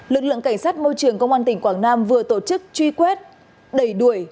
lực lượng cảnh sát môi trường công an tỉnh quảng nam vừa tổ chức truy quét đẩy đuổi